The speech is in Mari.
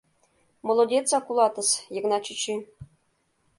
Молодецак улатыс, Йыгнат чӱчӱ.